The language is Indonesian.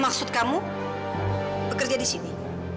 maksud kamu bekerja di sini